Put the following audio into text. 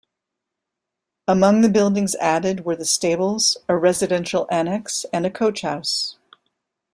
Among the buildings added were the stables, a residential annex and a coach house.